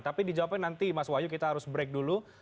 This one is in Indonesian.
tapi dijawabnya nanti mas wahyu kita harus break dulu